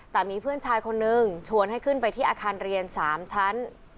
แต่มีเพื่อนชายคนนึงชวนให้ขึ้นไปที่อาคารเรียน๓ชั้น